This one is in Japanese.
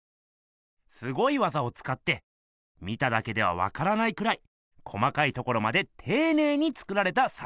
すごい技をつかって見ただけではわからないくらい細かいところまでていねいに作られた作ひんがあるんす。